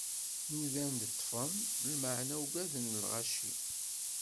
Nudan ad t-ṭṭfen, lameɛna ugaden lɣaci.